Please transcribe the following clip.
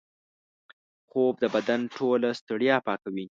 خوب د بدن ټوله ستړیا پاکوي